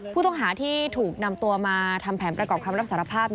ผู้ต้องหาที่ถูกนำตัวมาทำแผนประกอบคำรับสารภาพ